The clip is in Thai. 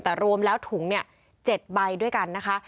แต่รวมแล้วถุง๗ใบด้วยกันนะคะ